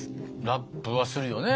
ラップはするよね？